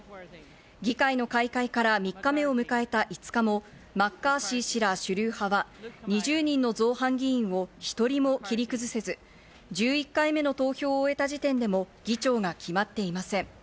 議会の開会から３日目を迎えた５日もマッカーシー氏ら主流派は２０人の造反議員を１人も切り崩せず１１回目の投票を終えた時点でも議長が決まっていません。